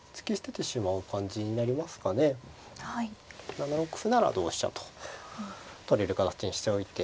７六歩なら同飛車と取れる形にしておいて。